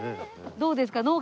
どうですか？